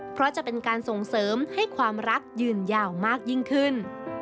เพราะจะเป็นการส่งเสริมให้ความรักยืนยาวมากยิ่งขึ้น